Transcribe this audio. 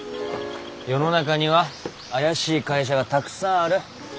世の中には怪しい会社がたくさんある。